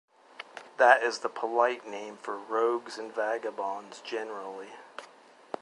That is the polite name for rogues and vagabonds generally.